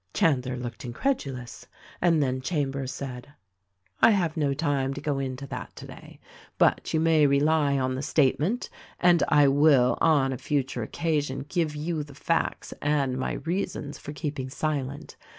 Chandler looked incredulous and then Chambers said, "T have no time to go into that today; but you may rely on the statement, and T will on a future occasion give you the facts and my reasons for keeping silent.